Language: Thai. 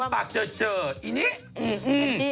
ปากเจออีนี้